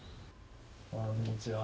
こんにちは。